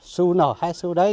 xu nào hai xu đấy